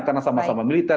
karena sama sama militer